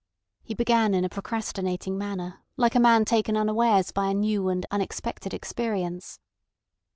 He began in a procrastinating manner, like a man taken unawares by a new and unexpected experience.